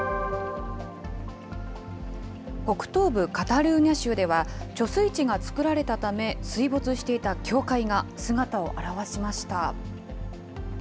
北東部カタルーニャ州では、貯水池がつくられたため、水没していた教会が姿を現しました。